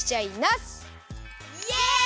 イエイ！